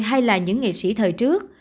hay là những nghệ sĩ thời trước